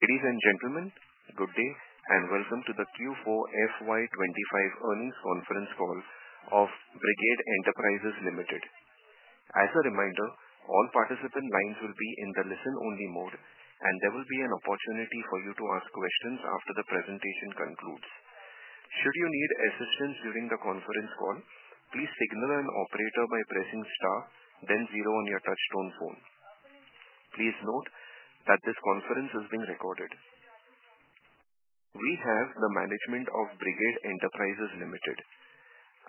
Ladies and gentlemen, good day and welcome to the Q4 FY25 Earnings Conference Call of Brigade Enterprises Limited. As a reminder, all participant lines will be in the listen-only mode, and there will be an opportunity for you to ask questions after the presentation concludes. Should you need assistance during the conference call, please signal an operator by pressing star, then zero on your touchstone phone. Please note that this conference is being recorded. We have the management of Brigade Enterprises Limited.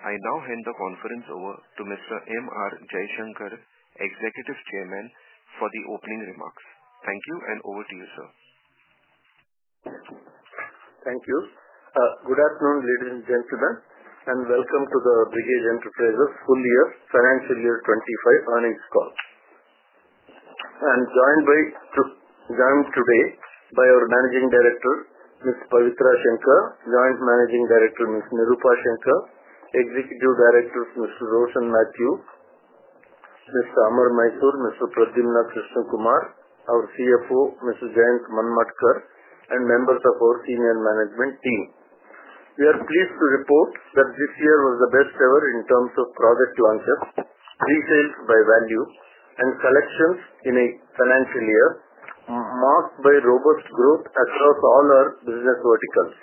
I now hand the conference over to Mr. M. R. Jaishankar, Executive Chairman, for the opening remarks. Thank you, and over to you, sir. Thank you. Good afternoon, ladies and gentlemen, and welcome to the Brigade Enterprises Full Year, Financial Year 2025 earnings call. I am joined today by our Managing Director, Ms. Pavitra Shankar, Joint Managing Director, Ms. Nirupa Shankar, Executive Directors, Mr. Rose and Matthew, Mr. Amar Mysore, Mr. Pradyumna Krishna Kumar, our CFO, Mr. Jayant Manmadkar, and members of our senior management team. We are pleased to report that this year was the best ever in terms of product launches, retail by value, and selections in a financial year marked by robust growth across all our business verticals.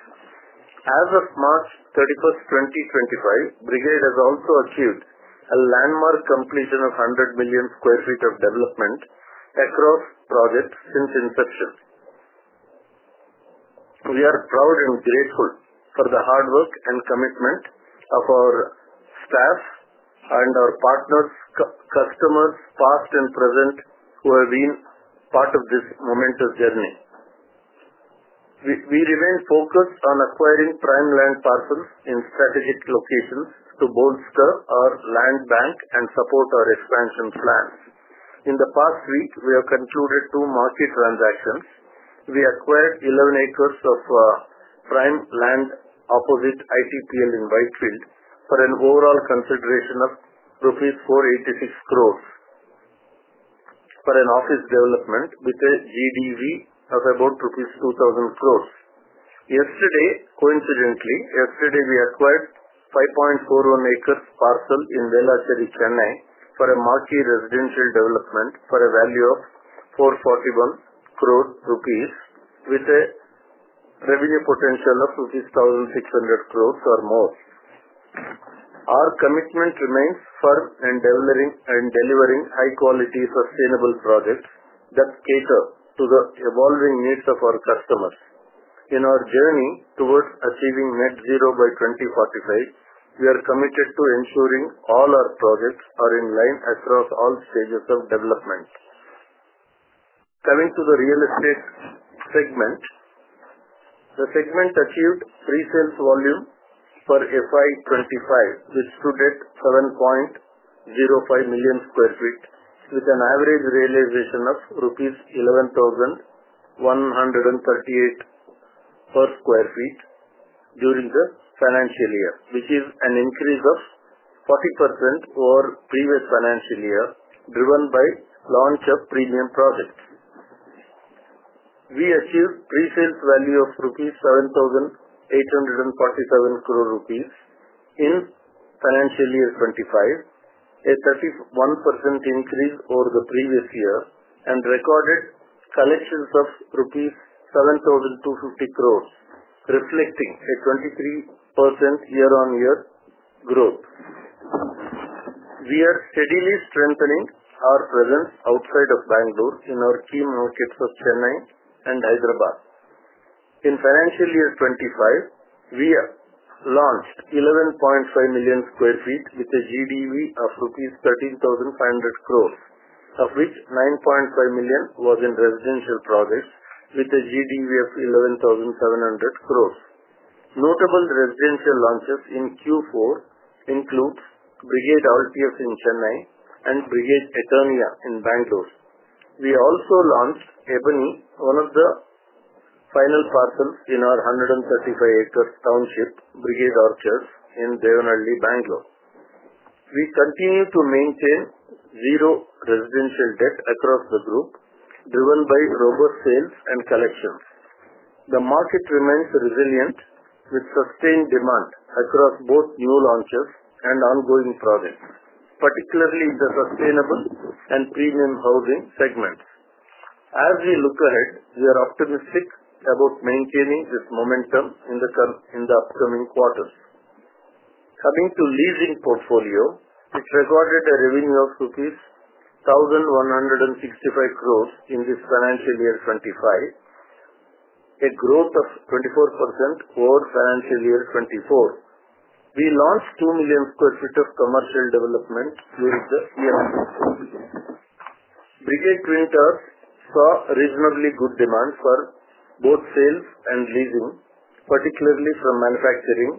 As of March 31st, 2025, Brigade has also achieved a landmark completion of 100 million sq ft of development across projects since inception. We are proud and grateful for the hard work and commitment of our staff and our partners, customers, past and present, who have been part of this momentous journey. We remain focused on acquiring prime land parcels in strategic locations to bolster our land bank and support our expansion plans. In the past week, we have concluded two market transactions. We acquired 11 acres of prime land opposite ITPL in Whitefield for an overall consideration of rupees 486 crore for an office development with a GDV of about 2,000 crore. Yesterday, coincidentally, we acquired a 5.41 acres parcel in Velachery, Chennai for a marquee residential development for a value of 441 crore rupees with a revenue potential of 1,600 crore or more. Our commitment remains firm in delivering high-quality, sustainable projects that cater to the evolving needs of our customers. In our journey towards achieving net-zero by 2045, we are committed to ensuring all our projects are in line across all stages of development. Coming to the real estate segment, the segment achieved pre-sales volume for FY 2025, which stood at 7.05 million sq ft, with an average realization of rupees 11,138 per sq ft during the financial year, which is an increase of 40% over previous financial year, driven by launch of premium projects. We achieved pre-sales value of 7,847 crore rupees in financial year 2025, a 31% increase over the previous year, and recorded collections of rupees 7,250 crore, reflecting a 23% year-on-year growth. We are steadily strengthening our presence outside of Bangalore in our key markets of Chennai and Hyderabad. In financial year 2025, we launched 11.5 million sq ft with a GDV of rupees 13,500 crore, of which 9.5 million was in residential projects with a GDV of 11,700 crore. Notable residential launches in Q4 include Brigade Altius in Chennai and Brigade Eternia in Bangalore. We also launched Ebony, one of the final parcels in our 135-acre township, Brigade Orchards in Devanahalli, Bangalore. We continue to maintain zero residential debt across the group, driven by robust sales and collections. The market remains resilient with sustained demand across both new launches and ongoing projects, particularly in the sustainable and premium housing segments. As we look ahead, we are optimistic about maintaining this momentum in the upcoming quarters. Coming to leasing portfolio, it recorded a revenue of rupees 1,165 crore in this financial year 2025, a growth of 24% over financial year 2024. We launched 2 million sq ft of commercial development during the year 2024. Brigade Renters saw reasonably good demand for both sales and leasing, particularly from manufacturing,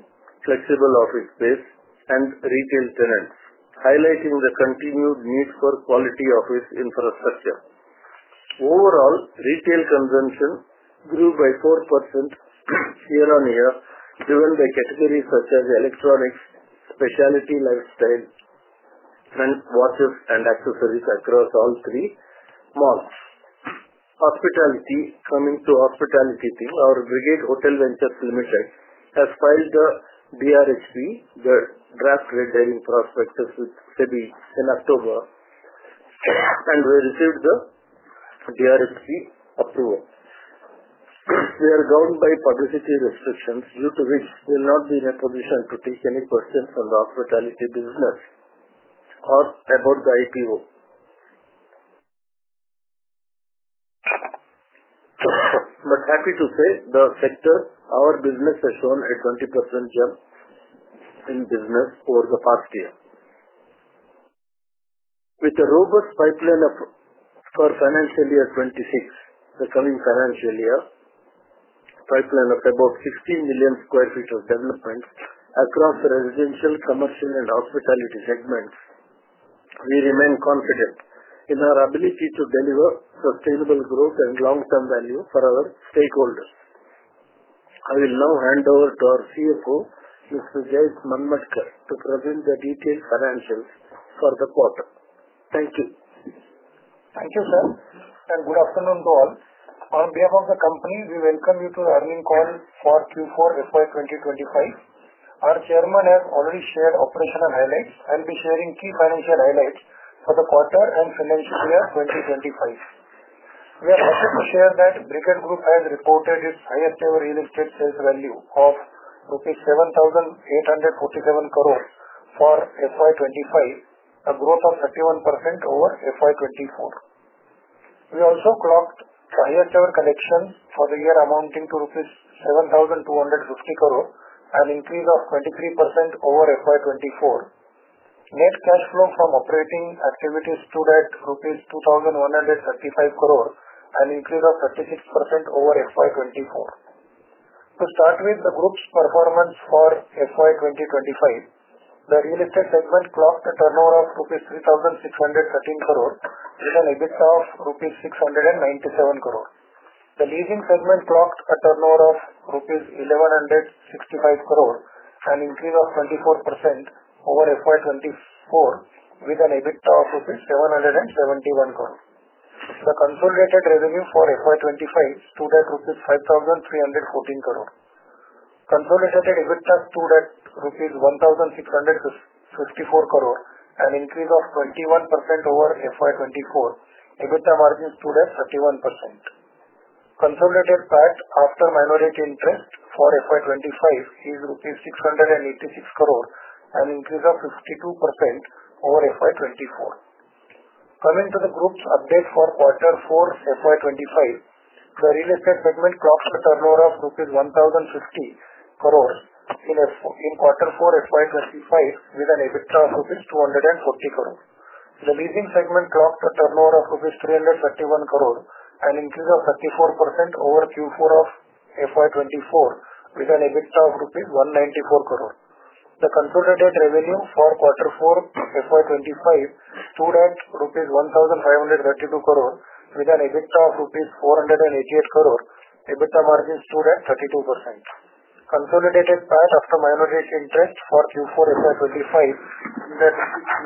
flexible office space, and retail tenants, highlighting the continued need for quality office infrastructure. Overall, retail consumption grew by 4% year-on-year, driven by categories such as electronics, specialty lifestyle, watches, and accessories across all three malls. Coming to hospitality team, our Brigade Hotel Ventures Limited has filed the DRHP, the draft red herring prospectus, with SEBI in October, and we received the DRHP approval. We are bound by publicity restrictions, due to which we will not be in a position to take any questions on the hospitality business or about the IPO. Happy to say, the sector, our business, has shown a 20% jump in business over the past year. With a robust pipeline for financial year 2026, the coming financial year, a pipeline of about 16 million sq ft of development across residential, commercial, and hospitality segments, we remain confident in our ability to deliver sustainable growth and long-term value for our stakeholders. I will now hand over to our CFO, Mr. Jayant Manmadkar, to present the detailed financials for the quarter. Thank you. Thank you, sir, and good afternoon to all. On behalf of the company, we welcome you to the earnings call for Q4 FY 2025. Our Chairman has already shared operational highlights. I'll be sharing key financial highlights for the quarter and financial year 2025. We are happy to share that Brigade Group has reported its highest-ever realistic sales value of rupees 7,847 crore for FY 2025, a growth of 31% over FY 2024. We also clocked the highest-ever collections for the year amounting to rupees 7,250 crore, an increase of 23% over FY 2024. Net cash-flow from operating activities stood at INR 2,135 crore, an increase of 36% over FY 2024. To start with the group's performance for FY 2025, the real estate segment clocked a turnover of rupees 3,613 crore with an EBITDA of rupees 697 crore. The leasing segment clocked a turnover of rupees 1,165 crores, an increase of 24% over FY 2024, with an EBITDA of INR 771 crores. The consolidated revenue for FY 2025 stood at INR 5,314 crores. Consolidated EBITDA stood at INR 1,654 crores, an increase of 21% over FY 2024. EBITDA margin stood at 31%. Consolidated PAT after minority interest for FY 2025 is 686 crores rupees, an increase of 52% over FY 2024. Coming to the group's update for quarter four FY 2025, the real estate segment clocked a turnover of INR 1,050 crores in quarter four FY 2025, with an EBITDA of INR 240 crores. The leasing segment clocked a turnover of INR 331 crores, an increase of 34% over Q4 of FY 2024, with an EBITDA of INR 194 crores. The consolidated revenue for quarter four FY 2025 stood at INR 1,532 crores, with an EBITDA of INR 488 crores. EBITDA margin stood at 32%. Consolidated PAT after minority interest for Q4 FY 2025 stood at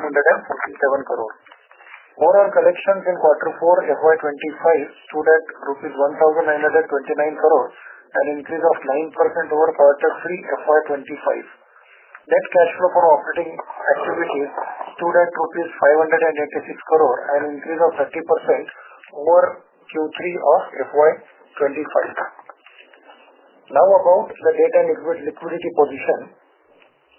INR 647 crore. Overall collections in quarter four FY 2025 stood at rupees 1,929 crore, an increase of 9% over quarter three FY 2025. Net cash flow from operating activities stood at rupees 586 crore, an increase of 30% over Q3 of FY 2025. Now about the debt and liquidity position.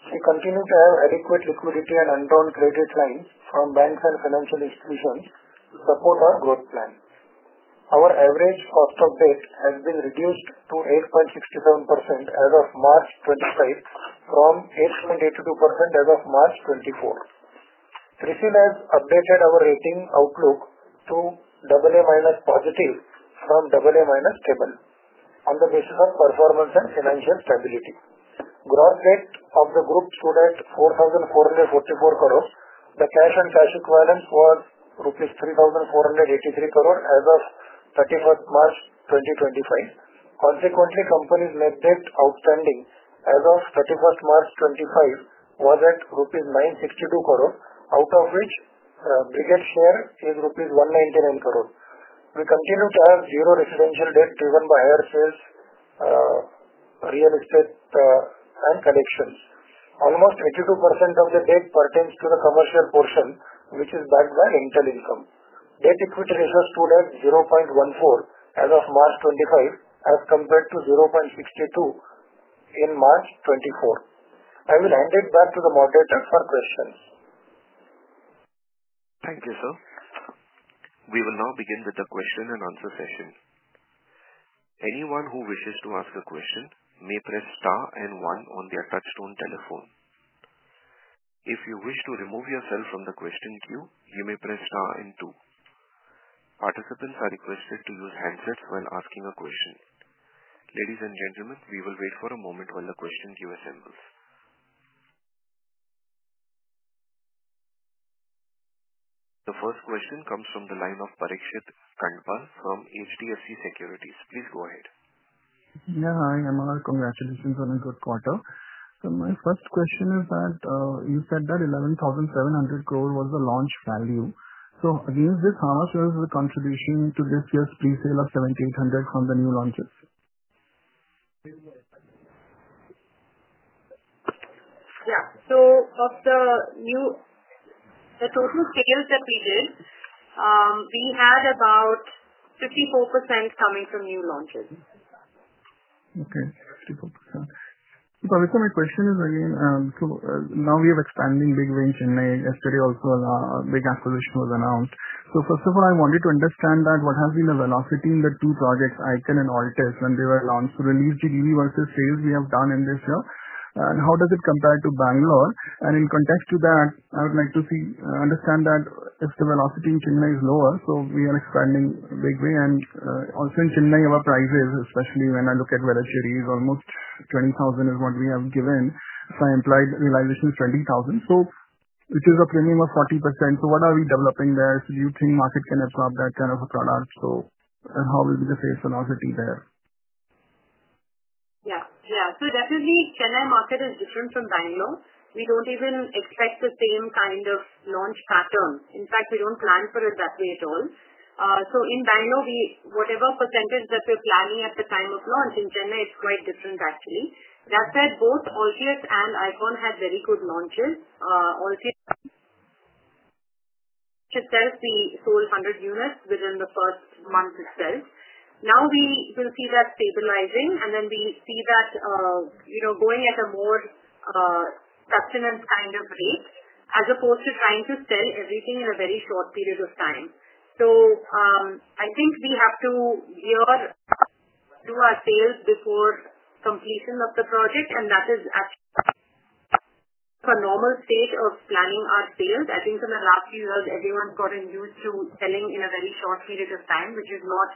We continue to have adequate liquidity and unutilized credit lines from banks and financial institutions to support our growth plan. Our average cost of debt has been reduced to 8.67% as of March 2025 from 8.82% as of March 2024. CRISIL has updated our rating outlook to AA-minus positive from AA-minus stable on the basis of performance and financial stability. Gross debt of the group stood at INR 4,444 crore. The cash and cash equivalents was rupees 3,483 crore as of 31st March 2025. Consequently, company's net debt outstanding as of 31st March 2025 was at rupees 962 crore, out of which Brigade share is rupees 199 crore. We continue to have zero residential debt driven by higher sales, real estate, and collections. Almost 82% of the debt pertains to the commercial portion, which is backed by rental income. Debt equity ratio stood at 0.14 as of March 2025, as compared to 0.62 in March 2024. I will hand it back to the moderator for questions. Thank you, sir. We will now begin with the question and answer session. Anyone who wishes to ask a question may press star and one on their touchstone telephone. If you wish to remove yourself from the question queue, you may press star and two. Participants are requested to use handsets while asking a question. Ladies and gentlemen, we will wait for a moment while the question queue assembles. The first question comes from the line of Parikshit Kanth from HDFC Securities. Please go ahead. Yeah, hi. Amar, congratulations on a good quarter. My first question is that you said that 11,700 crore was the launch value. Against this, how much was the contribution to this year's pre-sale of 7,800 crore from the new launches? Yeah. Of the total sales that we did, we had about 54% coming from new launches. Okay. 54%. My question is again, now we have expanding big way in Chennai. Yesterday also, a big acquisition was announced. First of all, I wanted to understand what has been the velocity in the two projects, Icon and Altius, when they were launched, to relieve the GDV versus sales we have done in this year. How does it compare to Bangalore? In context to that, I would like to understand that if the velocity in Chennai is lower, we are expanding big way. Also in Chennai, our prices, especially when I look at Velachery, is almost 20,000 is what we have given. Implied realization is 20,000, which is a premium of 40%. What are we developing there? Do you think market can absorb that kind of a product? How will be the sales velocity there? Yeah. Yeah. Definitely, Chennai market is different from Bangalore. We do not even expect the same kind of launch pattern. In fact, we do not plan for it that way at all. In Bangalore, whatever percentage that we are planning at the time of launch, in Chennai, it is quite different, actually. That said, both Altius and Icon had very good launches. Altis itself, we sold 100 units within the first-month itself. Now we will see that stabilizing, and then we see that going at a more sustenance kind of rate as opposed to trying to sell everything in a very short period of time. I think we have to gear to our sales before completion of the project, and that is actually a normal state of planning our sales. I think in the last few years, everyone's gotten used to selling in a very short period of time, which is not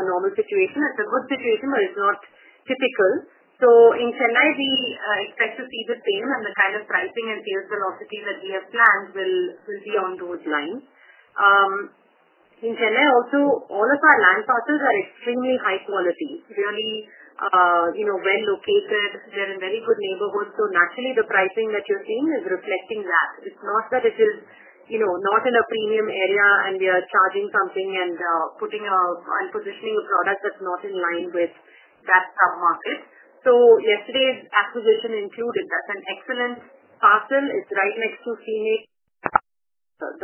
a normal situation. It's a good situation, but it's not typical. In Chennai, we expect to see the same, and the kind of pricing and sales velocity that we have planned will be on those lines. In Chennai also, all of our land parcels are extremely high quality, really well located. They're in very good neighborhoods. Naturally, the pricing that you're seeing is reflecting that. It's not that it is not in a premium area, and we are charging something and positioning a product that's not in line with that sub-market. Yesterday's acquisition included that. That's an excellent parcel. It's right next to Scenic,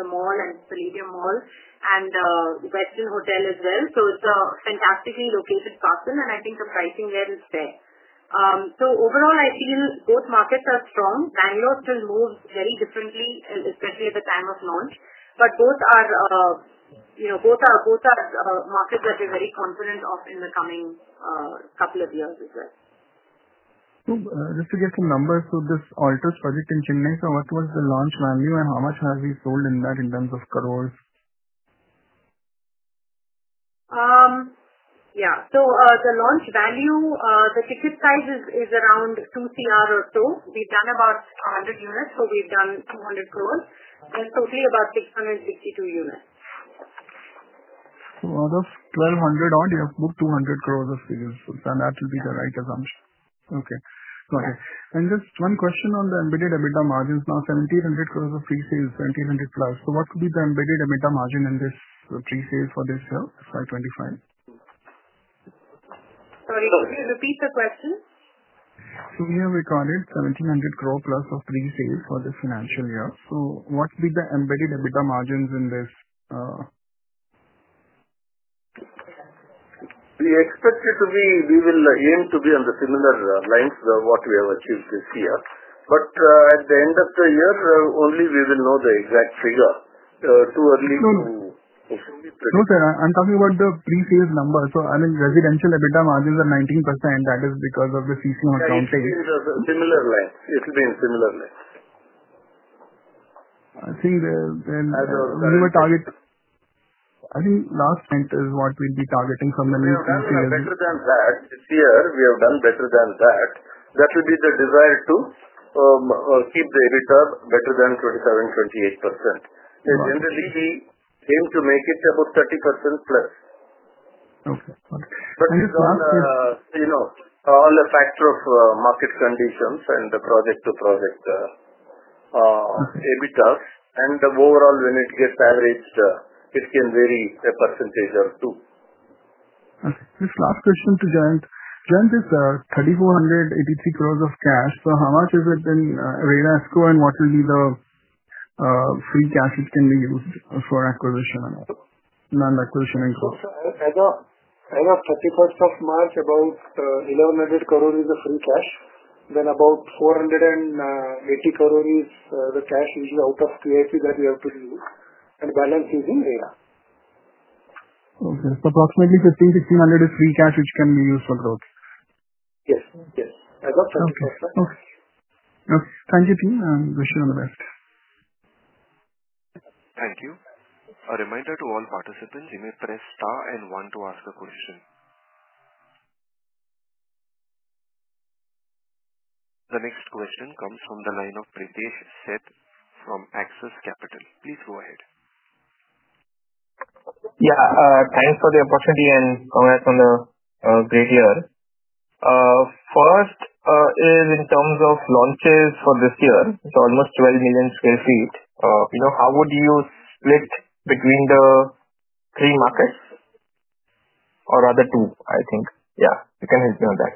the mall, and the Lydia Mall, and the Western Hotel as well. It's a fantastically located parcel, and I think the pricing there is fair. Overall, I feel both markets are strong. Bangalore still moves very differently, especially at the time of launch, but both are markets that we're very confident of in the coming couple of years as well. Just to get some numbers for this Altius project in Chennai, so what was the launch value, and how much have we sold in that in terms of crores? Yeah. The launch value, the ticket size is around 2 crore or so. We've done about 100 units, so we've done 200 crore. That's totally about 662 units. Out of 1,200 crore odd, you have booked 200 crore of sales. That will be the right assumption. Okay. Got it. Just one question on the embedded EBITDA margins. Now, 1,700 crore of pre-sales, 1,700+ crore. What would be the embedded EBITDA margin in this pre-sale for this year FY 2025? Sorry, could you repeat the question? We have recorded 1,700+ crore of pre-sales for this financial year. What would be the embedded EBITDA margins in this? We expect it to be, we will aim to be on the similar lines of what we have achieved this year. At the end of the year only, we will know the exact figure. Too early to. No, sir. I'm talking about the pre-sales numbers. I mean, residential EBITDA margins are 19%. That is because of the CCM accounting. It will be in similar lines. I think we will target, I think last is what we'll be targeting from the new pre-sales. We have done better than that this year. We have done better than that. That will be the desire to keep the EBITDA better than 27%-28%. Generally, we aim to make it about 30%+. Okay. Got it. This is all a factor of market conditions and the project-to-project EBITDAs. Overall, when it gets averaged, it can vary a percentage or two. Okay. Just last question to Jayant. Jayant, it's 3,483 crore of cash. So how much is it in REIT escrow, and what will be the free cash which can be used for acquisition and acquisition in gross? As of 31st of March, about INR 1,100 crore is the free cash. Then about 480 crore is the cash usually out of TIP that we have to use. Balance is in REIT. Okay. So approximately 1,500-1,600 is free cash which can be used for growth? Yes. Yes. As of 31st. Okay. Okay. Thank you, team. I'm going to share on the rest. Thank you. A reminder to all participants, you may press star and one to ask a question. The next question comes from the line of Pritesh Sheth from Axis Capital. Please go ahead. Yeah. Thanks for the opportunity and congrats on the great year. First is in terms of launches for this year. It is almost 12 million sq ft. How would you split between the three markets or other two, I think? Yeah. You can help me on that.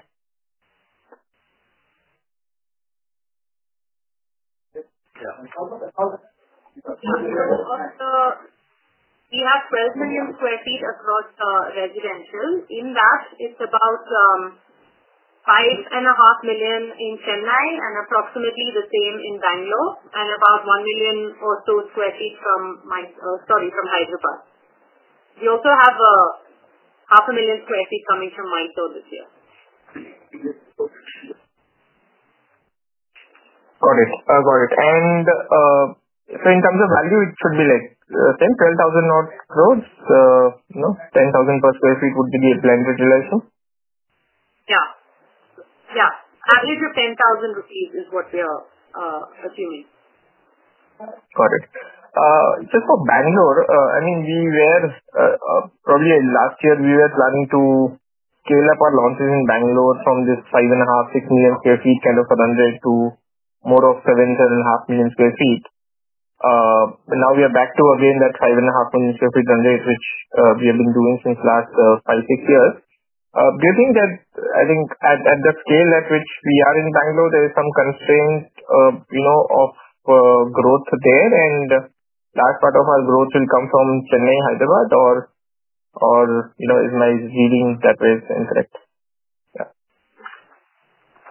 Yeah. We have 12 million sq ft across residential. In that, it's about 5.5 million sq ft in Chennai and approximately the same in Bangalore and about 1 million or so sq ft from Hyderabad. We also have 500,000 sq ft coming from Mysore this year. Got it. Got it. In terms of value, it should be the same, 12,000 crore? 10,000 per sq ft would be the blended relation? Yeah. Yeah. Average of 10,000 rupees is what we are assuming. Got it. Just for Bangalore, I mean, we were probably last year, we were planning to scale up our launches in Bangalore from this 5.5 million sq ft-6 million sq ft kind of rendered to more of 7 million sq ft-7.5 million sq ft. Now we are back to, again, that 5.5 million sq ft rendered, which we have been doing since the last five, six years. Do you think that, I think, at the scale at which we are in Bangalore, there is some constraint of growth there? That part of our growth will come from Chennai, Hyderabad, or is my reading that way incorrect? Yeah.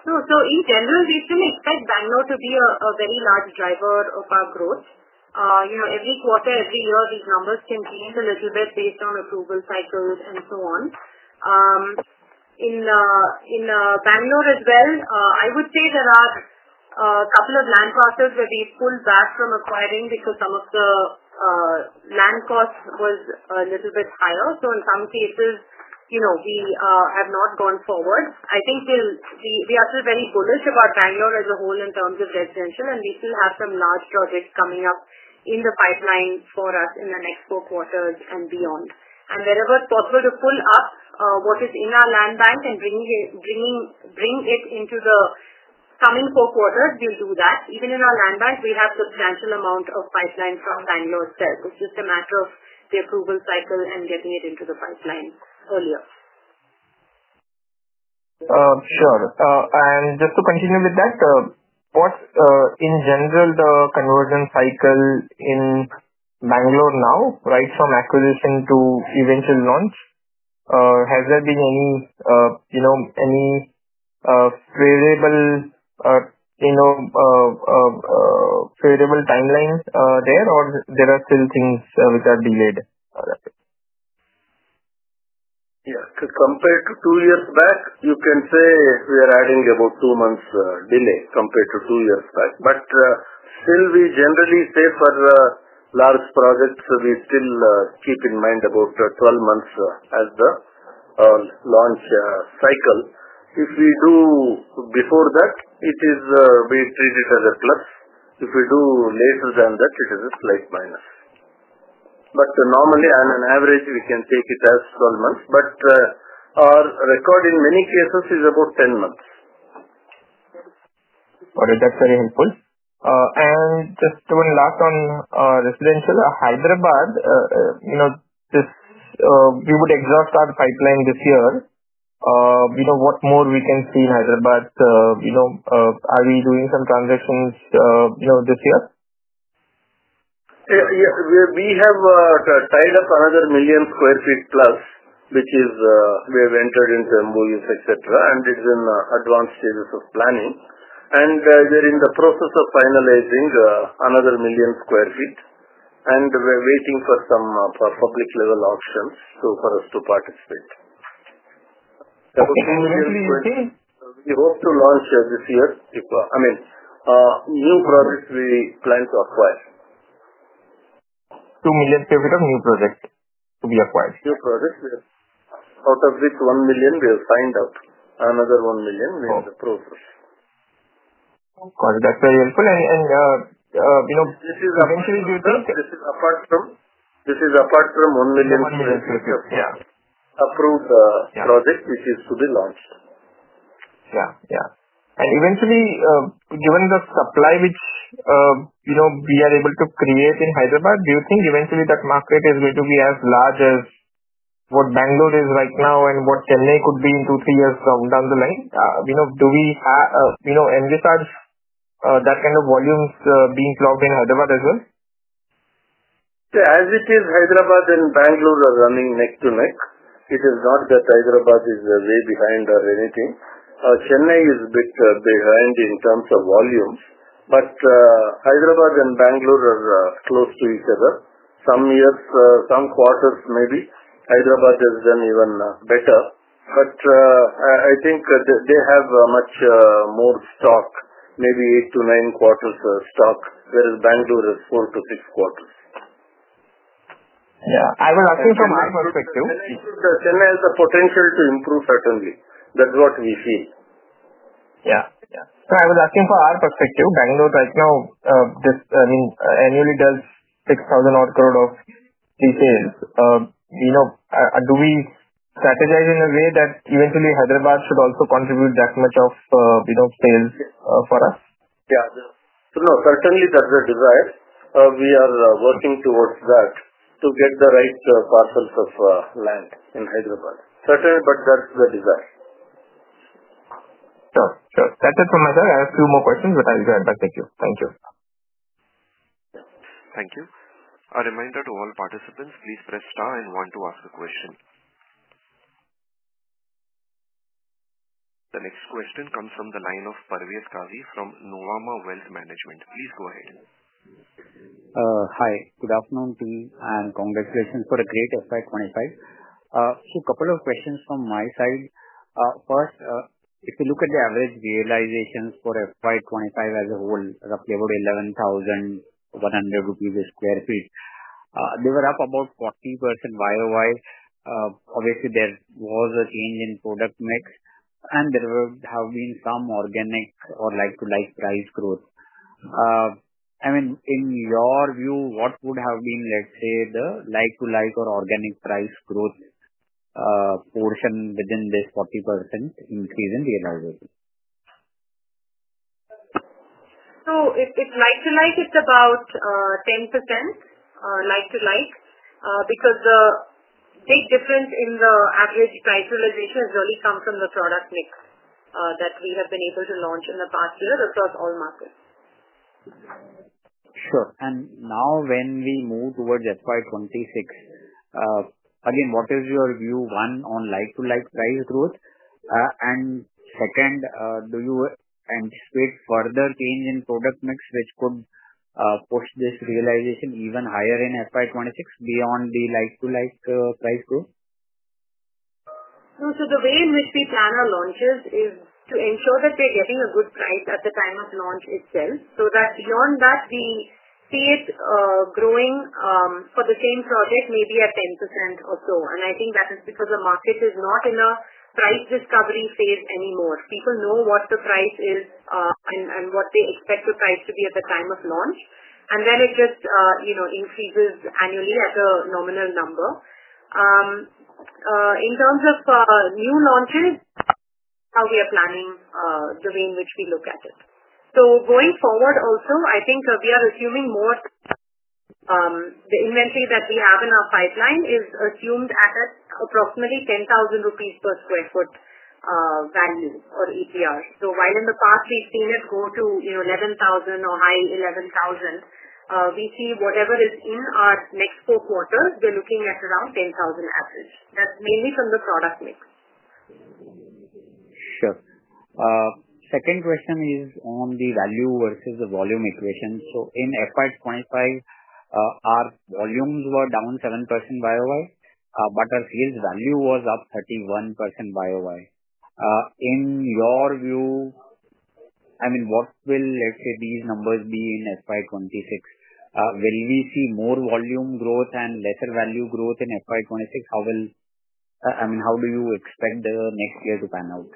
No. In general, we still expect Bangalore to be a very large driver of our growth. Every quarter, every year, these numbers can change a little bit based on approval cycles and so on. In Bangalore as well, I would say there are a couple of land parcels where we pulled back from acquiring because some of the land cost was a little bit higher. In some cases, we have not gone forward. I think we are still very bullish about Bangalore as a whole in terms of residential, and we still have some large projects coming up in the pipeline for us in the next four quarters and beyond. Wherever it is possible to pull up what is in our land bank and bring it into the coming four quarters, we will do that. Even in our land bank, we have a substantial amount of pipeline from Bangalore itself. It is just a matter of the approval cycle and getting it into the pipeline earlier. Sure. And just to continue with that, what's in general the conversion cycle in Bangalore now, right, from acquisition to eventual launch? Has there been any favorable timeline there, or there are still things which are delayed? Yeah. Compared to two years back, you can say we are adding about two months delay compared to two years back. Still, we generally say for large projects, we still keep in mind about 12 months as the launch cycle. If we do before that, we treat it as a plus. If we do later than that, it is a slight minus. Normally, on an average, we can take it as 12 months. Our record in many cases is about 10 months. Got it. That's very helpful. Just one last on residential. Hyderabad, we would exhaust our pipeline this year. What more can we see in Hyderabad? Are we doing some transactions this year? Yeah. We have tied up another 1 million sq ft plus, which is we have entered into MOUs, etc., and it's in advanced stages of planning. We are in the process of finalizing another 1 million sq ft, and we are waiting for some public-level auctions for us to participate. Okay. We hope to launch this year, I mean, new projects we plan to acquire. 2 million sq ft of new projects to be acquired. New projects. Out of this, 1 million, we have signed up. Another 1 million, we have approved. Got it. That's very helpful. Eventually, do you think? This is apart from 1 million sq ft of approved project, which is to be launched. Yeah. Yeah. Eventually, given the supply which we are able to create in Hyderabad, do you think eventually that market is going to be as large as what Bangalore is right now and what Chennai could be in two, three years down the line? Do we have in regards that kind of volumes being clocked in Hyderabad as well? As it is, Hyderabad and Bangalore are running neck to neck. It is not that Hyderabad is way behind or anything. Chennai is a bit behind in terms of volumes, but Hyderabad and Bangalore are close to each other. Some quarters, maybe Hyderabad has done even better. I think they have much more stock, maybe 8-9 quarters of stock, whereas Bangalore has 4-6 quarters. Yeah. I was asking from our perspective. Chennai has the potential to improve, certainly. That's what we feel. Yeah. Yeah. I was asking from our perspective, Bangalore right now, I mean, annually does INR 6,000 crore of pre-sales. Do we strategize in a way that eventually Hyderabad should also contribute that much of sales for us? Yeah. No. Certainly, that's the desire. We are working towards that to get the right parcels of land in Hyderabad. Certainly, that's the desire. Sure. That's it for my side. I have a few more questions, but I'll be right back. Thank you. Thank you. Thank you. A reminder to all participants, please press star and one to ask a question. The next question comes from the line of Parvez Qazifrom Nuvama Wealth Management. Please go ahead. Hi. Good afternoon, team. Congratulations for a great FY 2025. A couple of questions from my side. First, if you look at the average realizations for FY 2025 as a whole, roughly about 11,100 rupees per sq ft, they were up about 40% YoY. Obviously, there was a change in product mix, and there have been some organic or like-to-like price growth. I mean, in your view, what would have been, let's say, the like-to-like or organic price growth portion within this 40% increase in realization? If like-to-like, it's about 10% like-to-like because the big difference in the average price realization has really come from the product mix that we have been able to launch in the past year across all markets. Sure. Now when we move towards FY 2026, again, what is your view, one, on like-to-like price growth? Second, do you anticipate further change in product mix which could push this realization even higher in FY 2026 beyond the like-to-like price growth? No. The way in which we plan our launches is to ensure that we're getting a good price at the time of launch itself so that beyond that, we see it growing for the same project maybe at 10% or so. I think that is because the market is not in a price discovery phase anymore. People know what the price is and what they expect the price to be at the time of launch. It just increases annually at a nominal number. In terms of new launches, how we are planning the way in which we look at it. Going forward also, I think we are assuming more the inventory that we have in our pipeline is assumed at approximately 10,000 rupees per sq ft value or EPR. While in the past we've seen it go to 11,000 or high 11,000, we see whatever is in our next four quarters, we're looking at around 10,000 average. That's mainly from the product mix. Sure. Second question is on the value versus the volume equation. In FY 2025, our volumes were down 7% YoY, but our sales value was up 31% YoY. In your view, I mean, what will, let's say, these numbers be in FY 2026? Will we see more volume growth and lesser value growth in FY 2026? I mean, how do you expect the next year to pan out?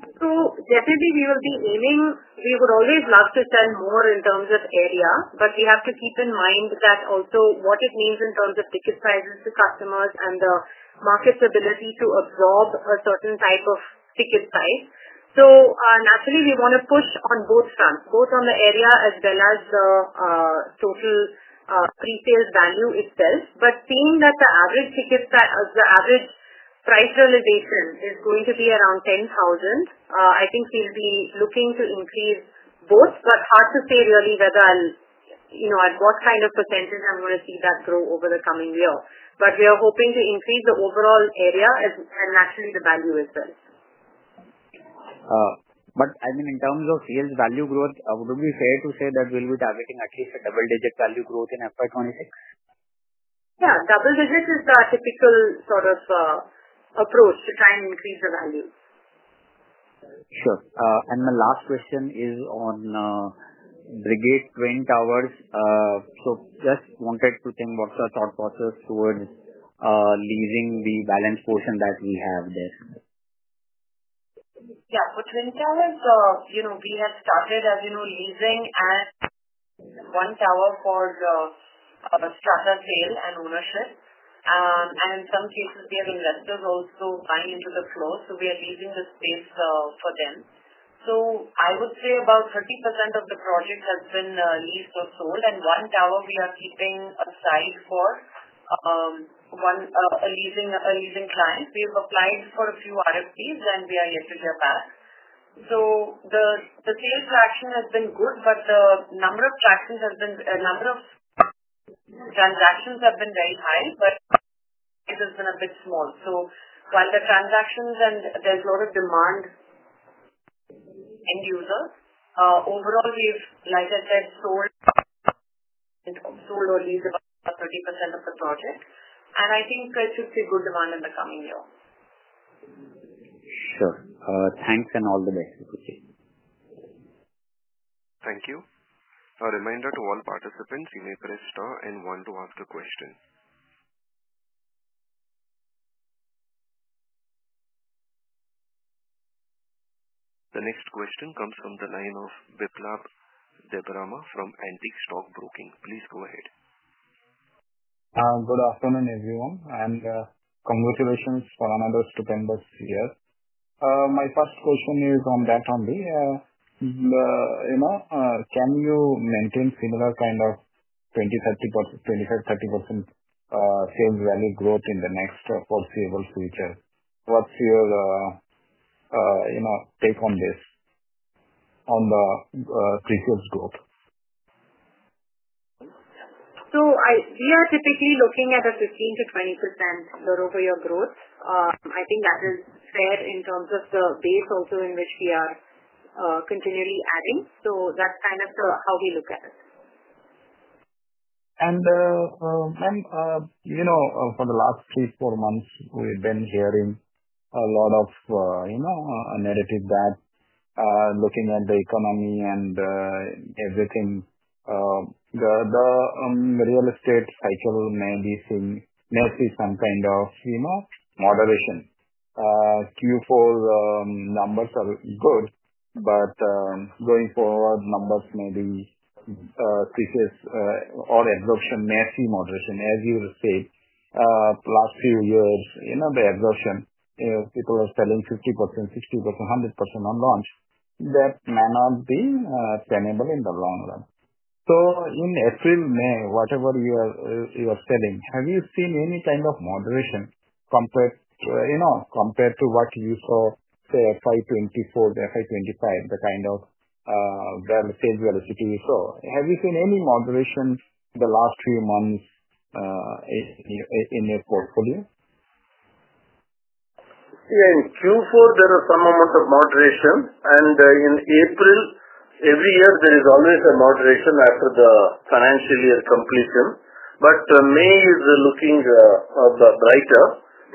We will be aiming, we would always love to sell more in terms of area, but we have to keep in mind that also what it means in terms of ticket sizes to customers and the market's ability to absorb a certain type of ticket size. Naturally, we want to push on both fronts, both on the area as well as the total pre-sales value itself. Seeing that the average ticket size, the average price realization is going to be around 10,000, I think we'll be looking to increase both, but hard to say really at what kind of percentage I'm going to see that grow over the coming year. We are hoping to increase the overall area and naturally the value as well. I mean, in terms of sales value growth, would it be fair to say that we'll be targeting at least a double-digit value growth in FY 2026? Yeah. Double-digit is the typical sort of approach to try and increase the value. Sure. My last question is on Brigade Twin Towers. Just wanted to think what's our thought process towards leasing the balance portion that we have there. Yeah. For Twin Towers, we have started as leasing and one tower for strata sale and ownership. In some cases, we have investors also buying into the floor, so we are leasing the space for them. I would say about 30% of the project has been leased or sold, and one tower we are keeping aside for a leasing client. We have applied for a few RFPs, and we are yet to hear back. The sales traction has been good, but the number of transactions has been very high, but it has been a bit small. While the transactions and there is a lot of demand end user, overall, like I said, we have sold or leased about 30% of the project. I think it should see good demand in the coming year. Sure. Thanks and all the best. Thank you. A reminder to all participants, you may press star and one to ask a question. The next question comes from the line of Viplav Devadiga from Antique Stock Broking. Please go ahead. Good afternoon, everyone, and congratulations for another stupendous year. My first question is on that only. Can you maintain similar kind of 25%-30% sales value growth in the next foreseeable future? What's your take on this on the pre-sales growth? We are typically looking at a 15%-20% year-over-year growth. I think that is fair in terms of the base also in which we are continually adding. That is kind of how we look at it. For the last three, four months, we've been hearing a lot of narrative that looking at the economy and everything, the real estate cycle may see some kind of moderation. Q4 numbers are good, but going forward, numbers may be decreased or absorption may see moderation. As you said, last few years, the absorption, people are selling 50%, 60%, 100% on launch. That may not be tenable in the long run. In April, May, whatever you are selling, have you seen any kind of moderation compared to what you saw, say, FY 2024, FY 2025, the kind of sales velocity you saw? Have you seen any moderation the last few months in your portfolio? Yeah. In Q4, there was some amount of moderation. In April, every year, there is always a moderation after the financial year completion. May is looking brighter.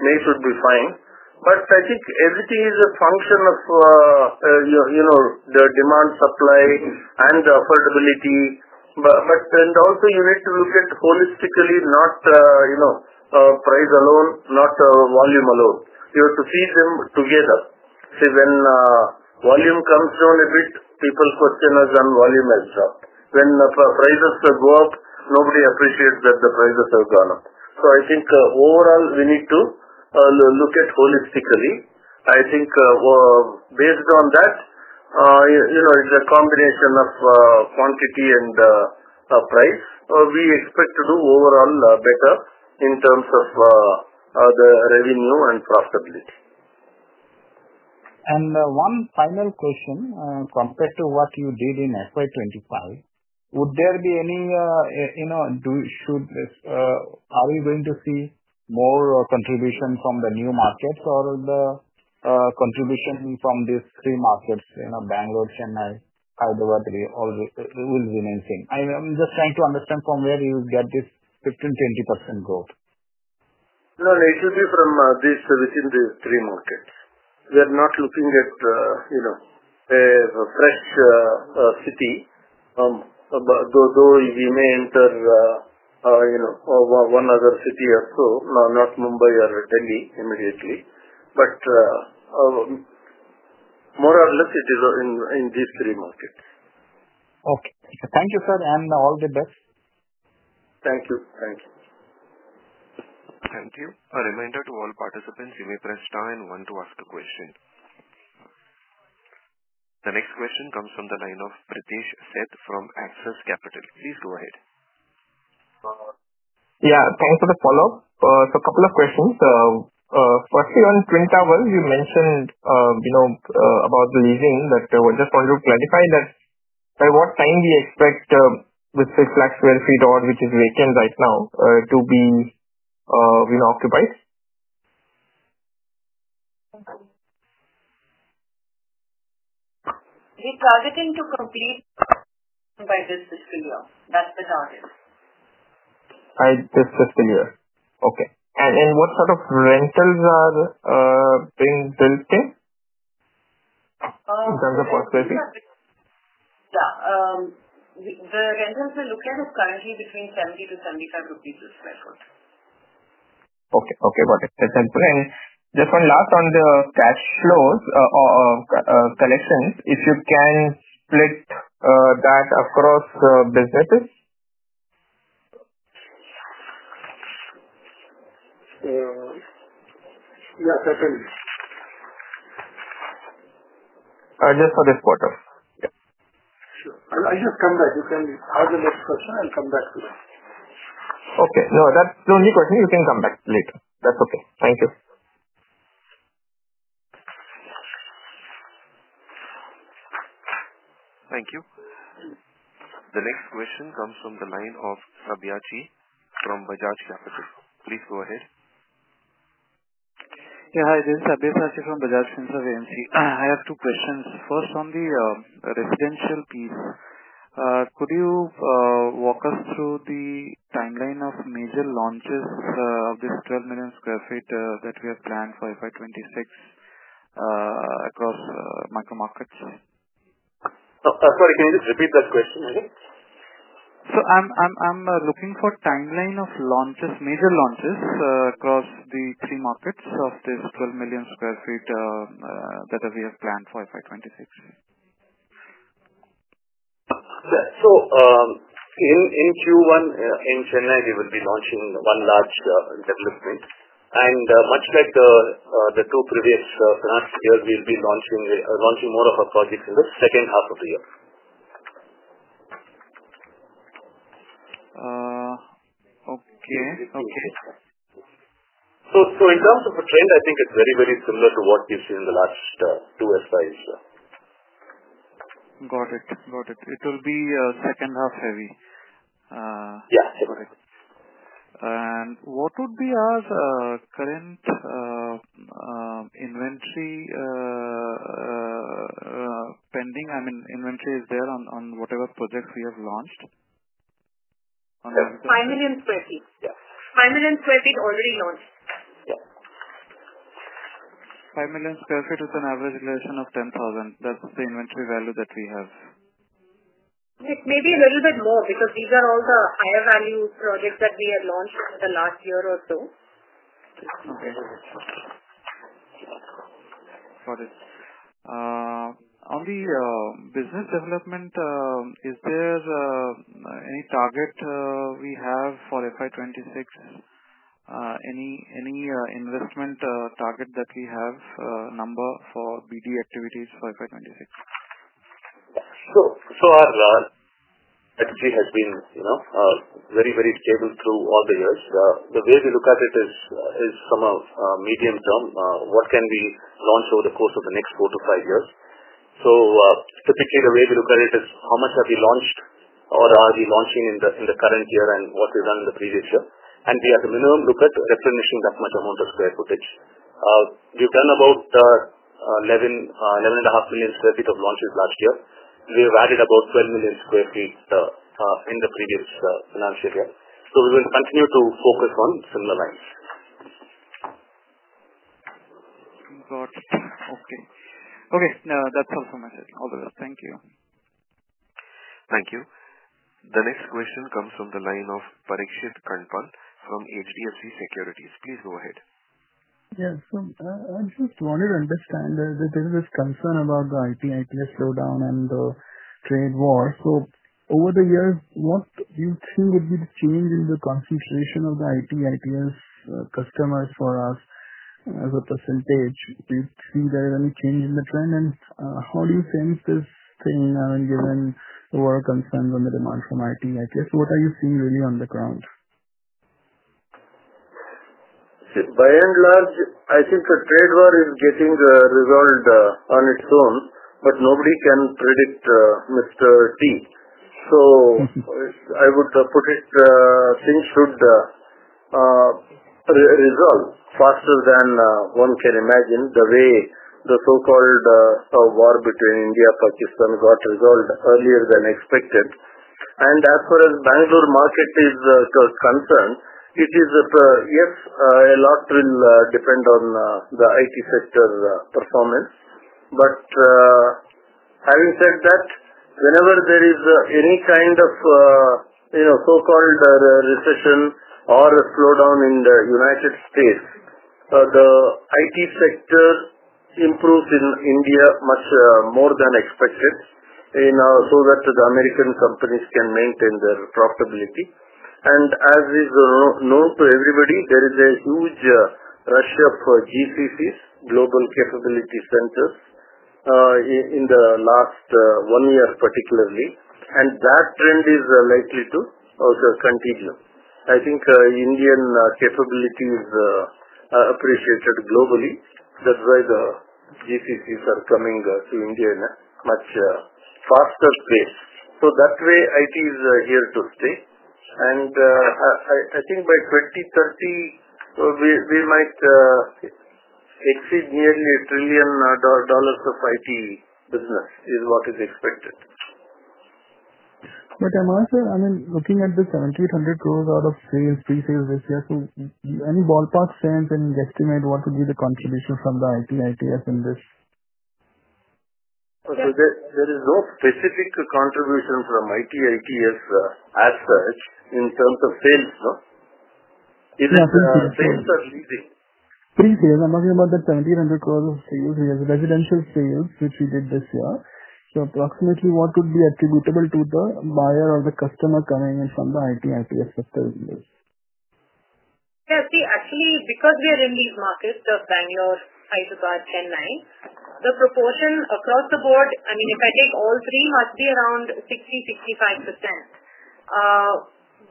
May should be fine. I think everything is a function of the demand supply and the affordability. You need to look at it holistically, not price alone, not volume alone. You have to see them together. See, when volume comes down a bit, people question us, and volume has dropped. When prices go up, nobody appreciates that the prices have gone up. I think overall, we need to look at it holistically. I think based on that, it's a combination of quantity and price. We expect to do overall better in terms of the revenue and profitability. One final question. Compared to what you did in FY 2025, would there be any, should, are we going to see more contribution from the new markets, or the contribution from these three markets, Bangalore, Chennai, Hyderabad, will remain the same? I'm just trying to understand from where you get this 15%-20% growth. No, no. It will be from within the three markets. We are not looking at a fresh city, though we may enter one other city or so, not Mumbai or Delhi immediately. More or less, it is in these three markets. Okay. Thank you, sir. All the best. Thank you. Thank you. Thank you. A reminder to all participants, you may press star and one to ask a question. The next question comes from the line of Pritesh Sheth from Axis Capital. Please go ahead. Yeah. Thanks for the follow-up. A couple of questions. Firstly, on Twin Towers, you mentioned about the leasing. I just wanted to clarify that by what time we expect with the flexible free door, which is vacant right now, to be occupied? We targeting to complete by this fiscal year. That's the target. This fiscal year. Okay. And what sort of rentals are being built in in terms of prospecting? Yeah. The rentals we're looking at are currently between INR 70-INR 75 per sq ft. Okay. Okay. Got it. That is helpful. Just one last on the cash flows collections, if you can split that across businesses? Yeah. That's it. Just for this quarter. Sure. I just come back. You can ask the next question, and come back to me. Okay. No, that's the only question. You can come back later. That's okay. Thank you. Thank you. The next question comes from the line of Sabya Sachi from Bajaj Capital. Please go ahead. Yeah. Hi. This is Sabya Sachi from Bajaj Capital. I have two questions. First, on the residential piece, could you walk us through the timeline of major launches of this 12 million sq ft that we have planned for FY 2026 across micro markets? Sorry. Can you just repeat that question again? I'm looking for timeline of launches, major launches across the three markets of this 12 million sq ft that we have planned for FY 2026. Yeah. In Q1 in Chennai, we will be launching one large development. Much like the two previous last year, we'll be launching more of our projects in the second half of the year. Okay. Okay. In terms of the trend, I think it's very, very similar to what you've seen in the last two FYs. Got it. Got it. It will be second half heavy. Yeah. Got it. What would be our current inventory pending? I mean, inventory is there on whatever projects we have launched? Yeah. 5 million sq ft. Yeah. 5 million sq ft already launched. Yeah. 5 million sq ft with an average elevation of 10,000. That's the inventory value that we have. Maybe a little bit more because these are all the higher value projects that we have launched in the last year or so. Okay. Got it. On the business development, is there any target we have for FY 2026? Any investment target that we have number for BD activities for FY 2026? Our strategy has been very, very stable through all the years. The way we look at it is from a medium term, what can we launch over the course of the next four-to-five years? Typically, the way we look at it is how much have we launched or are we launching in the current year and what we've done in the previous year? We at the minimum look at replenishing that much amount of square footage. We've done about 11.5 million sq ft of launches last year. We have added about 12 million sq ft in the previous financial year. We will continue to focus on similar lines. Got it. Okay. Okay. That's all from my side. All the best. Thank you. Thank you. The next question comes from the line of Parikshit Kanth from HDFC Securities. Please go ahead. Yes. I just wanted to understand that there is this concern about the IT/ITES slowdown and the trade war. Over the years, what do you think would be the change in the concentration of the IT/ITES customers for us as a percentage? Do you see there is any change in the trend? How do you think this thing, given the war concerns and the demand from IT/ITES, what are you seeing really on the ground? By and large, I think the trade war is getting resolved on its own, but nobody can predict Mr. T. I would put it things should resolve faster than one can imagine the way the so-called war between India and Pakistan got resolved earlier than expected. As far as Bangalore market is concerned, it is yes, a lot will depend on the IT sector performance. Having said that, whenever there is any kind of so-called recession or a slowdown in the United States, the IT sector improves in India much more than expected so that the American companies can maintain their profitability. As is known to everybody, there is a huge rush of GCCs, Global Capability Centers, in the last one year particularly. That trend is likely to also continue. I think Indian capability is appreciated globally. That's why the GCCs are coming to India in a much faster pace. IT is here to stay. I think by 2030, we might exceed nearly a- trillion dollars of IT business is what is expected. I'm also, I mean, looking at the 1,700 crore out of pre-sales this year, so any ballpark sense and guesstimate what would be the contribution from the IT/ITES in this? There is no specific contribution from IT/ITES as such in terms of sales. No, no. Sales are leading. Pre-sales, I'm talking about the 1,700 crore of sales. We have residential sales, which we did this year. Approximately, what would be attributable to the buyer or the customer coming in from the IT/ITES sector in this? Yeah. See, actually, because we are in these markets of Bangalore, Hyderabad, Chennai, the proportion across the board, I mean, if I take all three, must be around 60%-65%.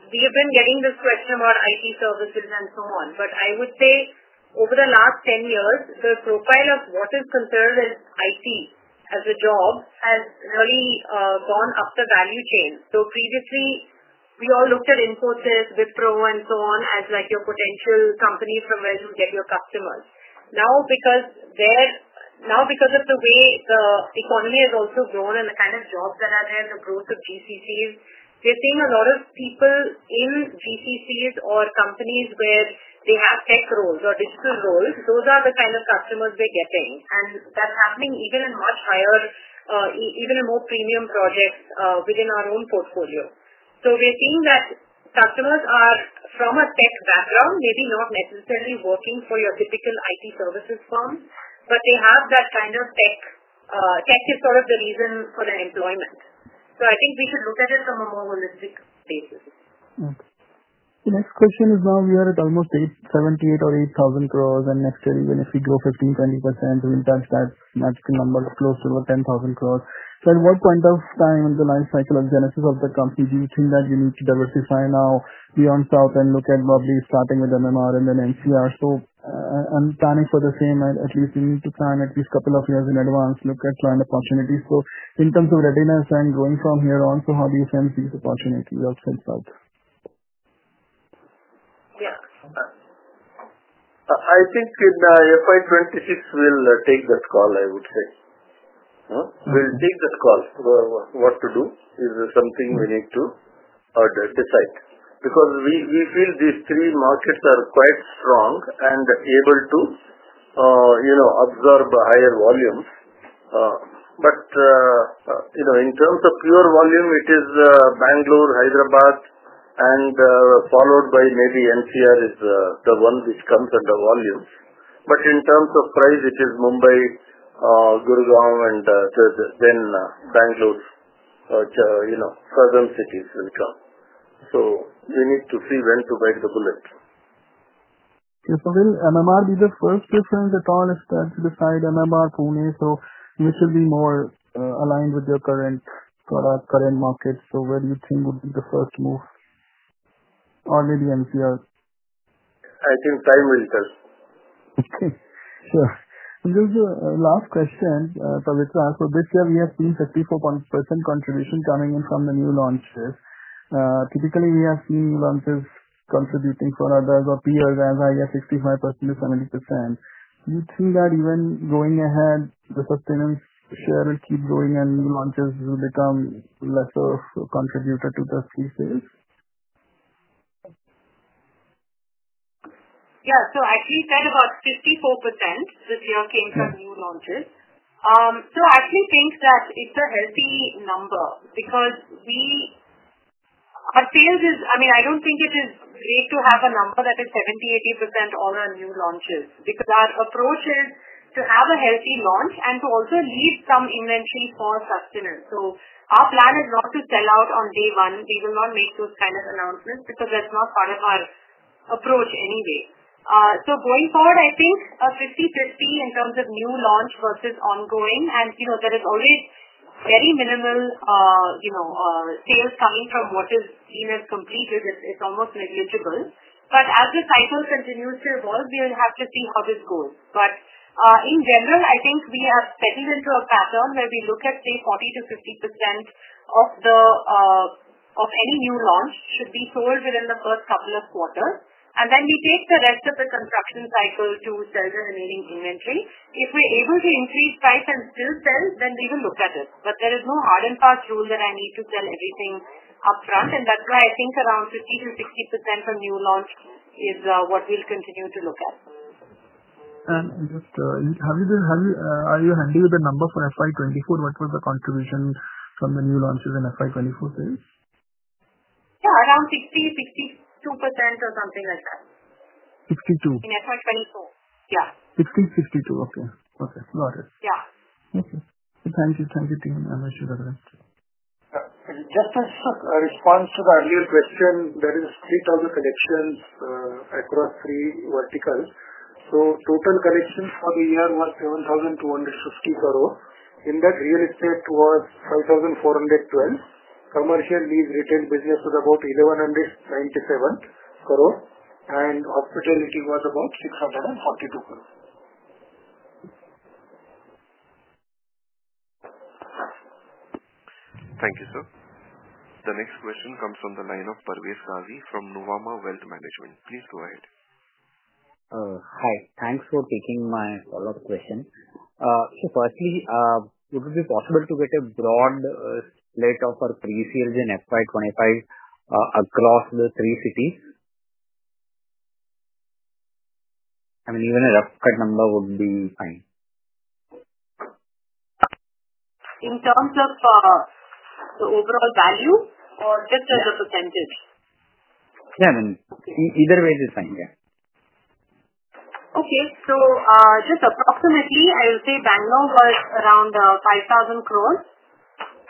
We have been getting this question about IT services and so on. I would say over the last 10 years, the profile of what is considered as IT as a job has really gone up the value chain. Previously, we all looked at Infosys, Wipro, and so on as your potential company from where you get your customers. Now, because of the way the economy has also grown and the kind of jobs that are there, the growth of GCCs, we're seeing a lot of people in GCCs or companies where they have tech roles or digital roles. Those are the kind of customers we're getting. That's happening even in much higher, even in more premium projects within our own portfolio. We're seeing that customers are from a tech background, maybe not necessarily working for your typical IT services firm, but they have that kind of tech. Tech is sort of the reason for their employment. I think we should look at it from a more holistic basis. Okay. The next question is now we are at almost 7,800 crore or 8,000 crore. Next year, even if we grow 15%-20%, we'll touch that magical number of close to 10,000 crore. At what point of time in the life cycle or genesis of the company do you think that you need to diversify now beyond south and look at probably starting with MMR and then MCR? I'm planning for the same. At least we need to plan at least a couple of years in advance, look at land opportunities. In terms of readiness and going from here on, how do you sense these opportunities outside south? Yeah. I think in FY 2026, we'll take that call, I would say. We'll take that call. What to do is something we need to decide because we feel these three markets are quite strong and able to absorb higher volumes. In terms of pure volume, it is Bangalore, Hyderabad, and followed by maybe NCR is the one which comes under volumes. In terms of price, it is Mumbai, Gurgaon, and then Bangalore, southern cities will come. We need to see when to bite the bullet. Okay. Will MMR be the first to change at all? Is that to decide, MMR, Pune? Which will be more aligned with your current product, current market? Where do you think would be the first move? Or maybe MCR? I think time will tell. Okay. Sure. Just last question, Pavitra. This year, we have seen 54% contribution coming in from the new launches. Typically, we have seen new launches contributing for others or peers as high as 65%-70%. Do you think that even going ahead, the sustainance share will keep growing and new launches will become lesser contributor to the pre-sales? Yeah. So actually, about 54% this year came from new launches. I actually think that it's a healthy number because our sales is, I mean, I don't think it is great to have a number that is 70%-80% all our new launches because our approach is to have a healthy launch and to also leave some inventory for sustenance. Our plan is not to sell out on day one. We will not make those kind of announcements because that's not part of our approach anyway. Going forward, I think 50/50 in terms of new launch versus ongoing. There is always very minimal sales coming from what is seen as complete. It's almost negligible. As the cycle continues to evolve, we will have to see how this goes. In general, I think we have settled into a pattern where we look at, say, 40%-50% of any new launch should be sold within the first couple of quarters. We take the rest of the construction cycle to sell the remaining inventory. If we're able to increase price and still sell, then we will look at it. There is no hard and fast rule that I need to sell everything upfront. That is why I think around 50%-60% for new launch is what we'll continue to look at. Are you handy with the number for FY 2024? What was the contribution from the new launches in FY 2024, sir? Yeah. Around 60%-62% or something like that. 62? In FY 2024. Yeah. 60, 62. Okay. Okay. Got it. Yeah. Okay. Thank you. Thank you, team. I'm actually going to. Just a response to the earlier question. There is 3,000 collections across three verticals. Total collection for the year was INR 7,250 crore. In that, real estate was 5,412. Commercial lease retail business was about INR 1,197 crore. Hospitality was about 642 crore. Thank you, sir. The next question comes from the line of Parvez Qazi from Nuvama Wealth Management. Please go ahead. Hi. Thanks for taking my follow-up question. Firstly, would it be possible to get a broad split of our pre-sales in FY 2025 across the three cities? I mean, even a rough cut number would be fine. In terms of the overall value or just as a percentage? Yeah. I mean, either way is fine. Yeah. Okay. So just approximately, I would say Bangalore was around 5,000 crore,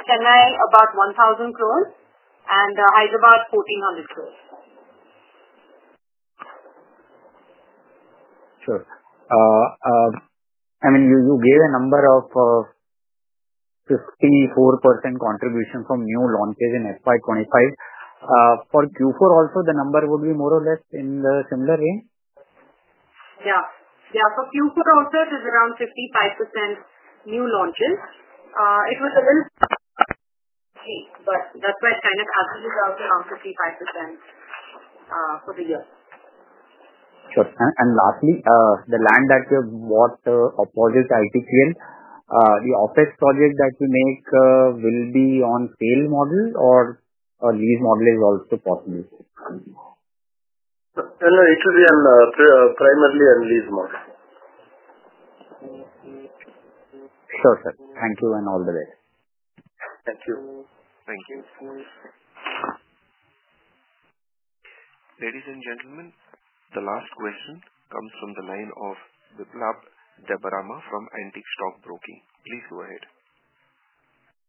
Chennai about 1,000 crore, and Hyderabad 1,400 crore. Sure. I mean, you gave a number of 54% contribution from new launches in FY 2025. For Q4 also, the number would be more or less in the similar range? Yeah. Yeah. For Q4 also, it is around 55% new launches. It was a little bit high, but that's why it kind of averages out around 55% for the year. Sure. And lastly, the land that you bought opposite ITPL, the office project that you make will be on sale model or lease model is also possible? No, it will be primarily on lease model. Sure, sir. Thank you and all the best. Thank you. Thank you. Ladies and gentlemen, the last question comes from the line of Viplav Devadiga from Antique Stock Broking. Please go ahead.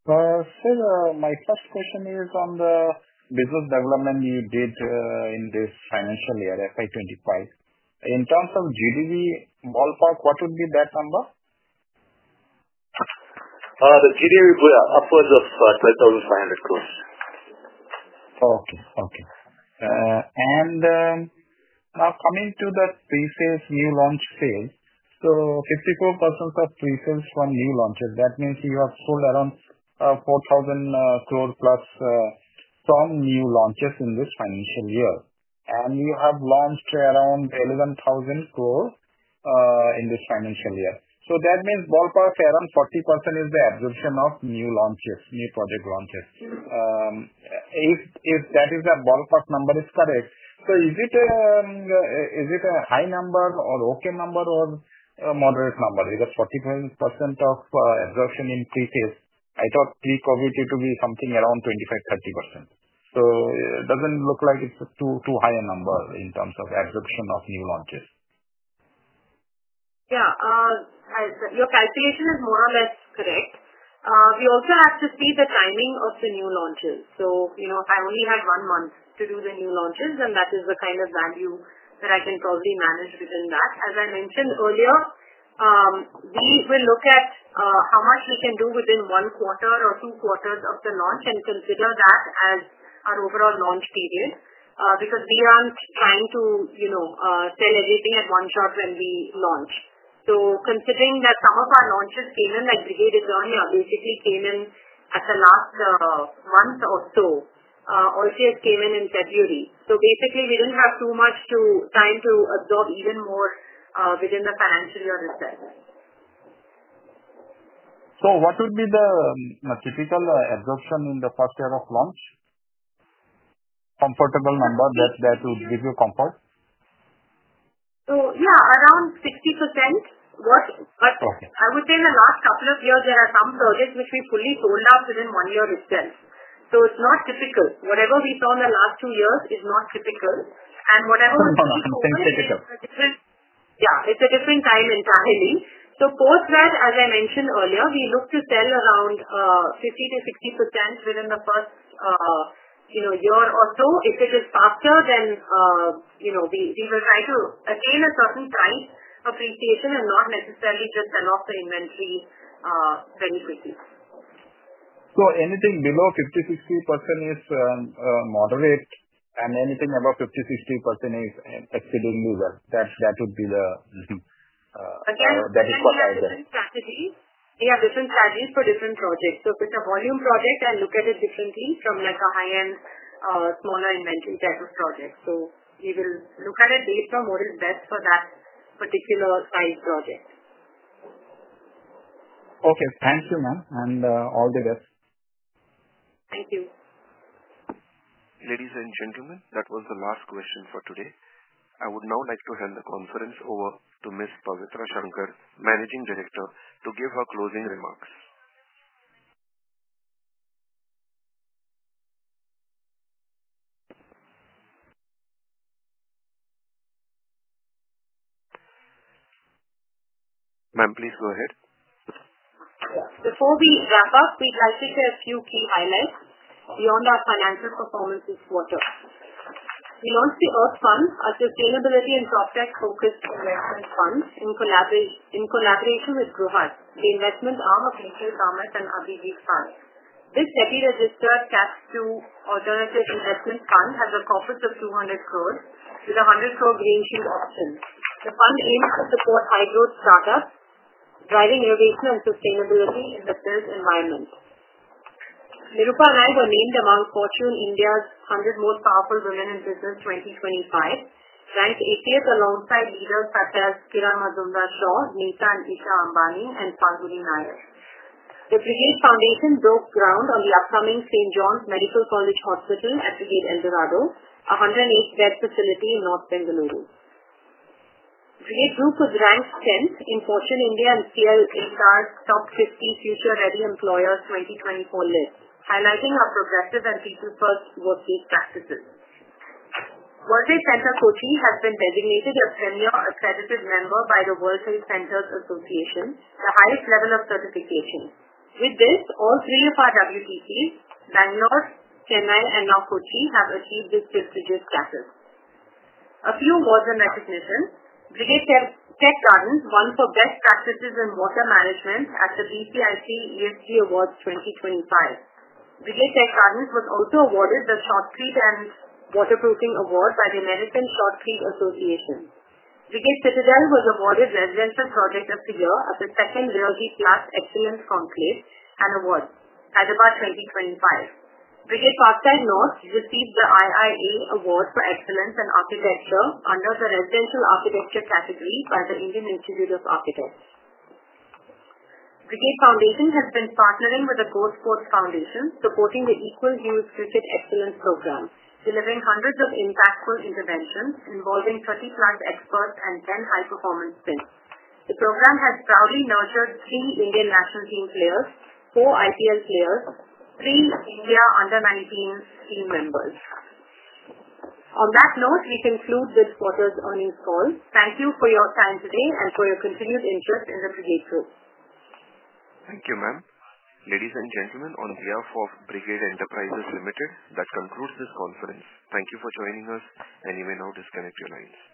Sir, my first question is on the business development you did in this financial year, FY 2025. In terms of GDV ballpark, what would be that number? The GDV would be upwards of INR 12500 crores. Okay. Okay. Now coming to the pre-sales new launch sales, 54% of pre-sales from new launches. That means you have sold around 4,000+ crore from new launches in this financial year. You have launched around 11,000 crore in this financial year. That means ballpark around 40% is the absorption of new launches, new project launches. If that is a ballpark number, it is correct. Is it a high number or okay number or moderate number? Because 45% of absorption in pre-sales, I thought we covered it to be something around 25%-30%. It does not look like it is too high a number in terms of absorption of new launches. Yeah. Your calculation is more or less correct. We also have to see the timing of the new launches. I only have one month to do the new launches, and that is the kind of value that I can probably manage within that. As I mentioned earlier, we will look at how much we can do within one quarter or two quarters of the launch and consider that as our overall launch period because we aren't trying to sell everything at one shot when we launch. Considering that some of our launches came in like Brigade's earlier, basically came in at the last month or so. All sales came in in February. Basically, we didn't have too much time to absorb even more within the financial year itself. What would be the typical absorption in the first year of launch? Comfortable number that would give you comfort? Yeah, around 60%. I would say in the last couple of years, there are some projects which we fully sold out within one year itself. It is not typical. Whatever we saw in the last two years is not typical. Whatever we saw in the second year, it is a different time entirely. Post that, as I mentioned earlier, we look to sell around 50-60% within the first year or so. If it is faster, then we will try to attain a certain price appreciation and not necessarily just sell off the inventory very quickly. Anything below 50%-60% is moderate, and anything above 50%-60% is exceedingly well. That would be the. Again, we have different strategies. We have different strategies for different projects. If it's a volume project, I look at it differently from a high-end, smaller inventory type of project. We will look at it based on what is best for that particular size project. Okay. Thank you, ma'am. All the best. Thank you. Ladies and gentlemen, that was the last question for today. I would now like to hand the conference over to Ms. Pavitra Shankar, Managing Director, to give her closing remarks. Ma'am, please go ahead. Before we wrap up, we'd like to share a few key highlights beyond our financial performance this quarter. We launched the Earth Fund, a sustainability and proptech-focused investment fund in collaboration with Gruhart. The investments are of Nicholas Dalmia and Abhijeet Pan. This SEBI-registered Category II alternative investment fund has a corpus of 200 crore with 100 crore green-shoe options. The fund aims to support high-growth startups, driving innovation and sustainability in the built environment. Nirupa and I were named among Fortune India's 100 Most Powerful Women in Business 2025, ranked 80th alongside leaders such as Kiran Mazumdar-Shaw, Nita and Isha Ambani, and Panguni Nair. The Brigade Foundation broke ground on the upcoming St. John's Medical College Hospital at Brigade Eldorado, a 108-bed facility in North Bengaluru. Brigade Group was ranked 10th in Fortune India and CLHR's Top 50 Future Ready Employers 2024 list, highlighting our progressive and people-first workplace practices. World Trade Center Kochi has been designated a premier accredited member by the World Trade Centers Association, the highest level of certification. With this, all three of our WTCs, Bangalore, Chennai, and now Kochi, have achieved this prestigious status. A few awards and recognitions. Brigade Tech Gardens won for best practices in water management at the BCIC ESG Awards 2025. Brigade Tech Gardens was also awarded the Short Creek and Waterproofing Award by the American Short Creek Association. Brigade Citadel was awarded Residential Project of the Year at the second REALG+ Excellence Conclave and Award, Hyderabad 2025. Brigade Parkside North received the IIA Award for Excellence in Architecture under the Residential Architecture category by the Indian Institute of Architects. Brigade Foundation has been partnering with the GoSport Foundation, supporting the Equal Youth Cricket Excellence Program, delivering hundreds of impactful interventions involving 30-plus experts and 10 high-performance teams. The program has proudly nurtured three Indian national team players, four IPL players, three India Under-19 team members. On that note, we conclude this quarter's earnings call. Thank you for your time today and for your continued interest in the Brigade Group. Thank you, ma'am. Ladies and gentlemen, on behalf of Brigade Enterprises Limited, that concludes this conference. Thank you for joining us, and you may now disconnect your lines.